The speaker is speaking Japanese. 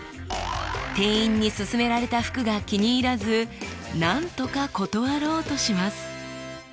店員にすすめられた服が気に入らずなんとか断ろうとします。